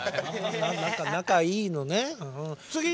仲いいのね。